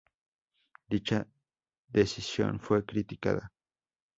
Dicha decisión fue criticada.